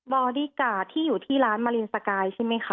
อดี้การ์ดที่อยู่ที่ร้านมารินสกายใช่ไหมคะ